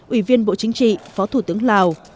ủy viên bộ chính trị phó thủ tướng lào